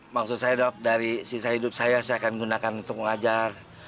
maksud saya dok dari sisa hidup saya saya akan gunakan untuk mengajar